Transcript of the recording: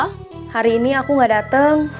hari ini aku gak dateng